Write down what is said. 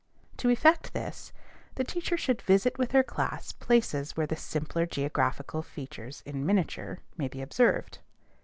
To effect this, the teacher should visit with her class places where the simpler geographical features in miniature may be observed.